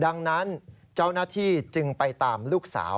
ดังนั้นเจ้าหน้าที่จึงไปตามลูกสาว